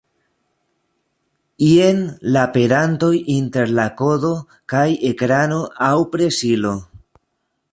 Jen la perantoj inter la kodo kaj ekrano aŭ presilo.